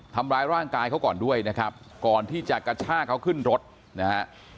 ทำร้ายร่างกายเขาก่อนด้วยนะครับก่อนที่จะกระชากเขาขึ้นรถนะฮะ